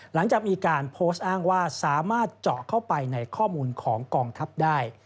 หลังจากมีการโพสต์อ้างว่าสามารถเจาะเข้าไปในข้อมูลของกองทัพได้